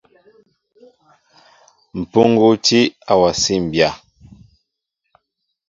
Mpuŋgu tí a wasí mbya.